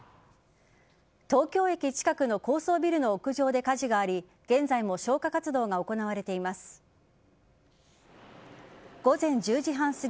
東京駅近くの高層ビルの屋上で火事があり現在も消火活動が行われています。